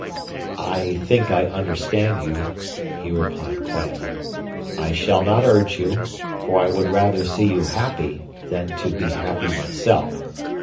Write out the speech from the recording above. "I think I understand you," he replied quietly. "I shall not urge you, for I would rather see you happy than to be happy myself.